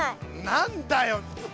何だよ。